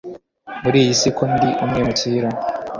muriyisi ko ndi umwimukira